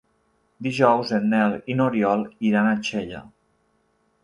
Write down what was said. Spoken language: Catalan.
Dijous en Nel i n'Oriol iran a Xella.